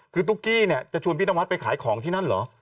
คือตุ๊กกี้เนี่ยจะชวนพี่นวัดไปขายของที่นั่นเหรอ